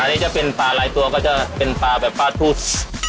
อันนี้จะเป็นปลาหลายตัวก็จะเป็นปลาแบบปลาทูส